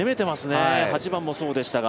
８番もそうでしたが。